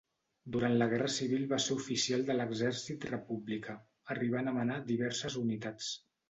Durant la Guerra civil va ser oficial de l'Exèrcit republicà, arribant a manar diverses unitats.